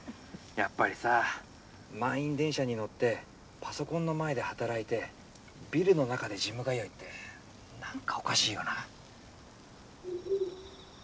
やっぱりさ満員電車に乗ってパソコンの前で働いてビルの中でジム通いって何かおかしいよな。